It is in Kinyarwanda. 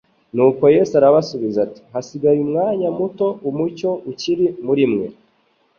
Nuko Yesu arabasubiza ati: «Hasigaye umwanya muto umucyo ukiri muri mwe.